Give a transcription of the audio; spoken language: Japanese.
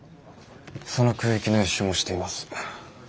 その空域の予習もしています。